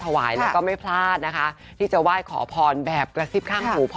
ถวายแล้วก็ไม่พลาดนะคะที่จะไหว้ขอพรแบบกระซิบข้างหูพ่อ